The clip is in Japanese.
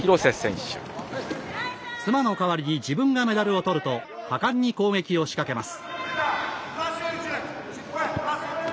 妻の代わりに自分がメダルを取ると果敢に攻撃を仕掛けます。